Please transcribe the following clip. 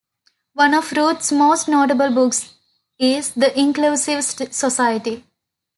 One of Ruth's most notable books is The Inclusive Society?